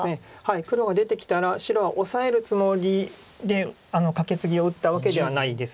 黒が出てきたら白はオサえるつもりでカケツギを打ったわけではないです。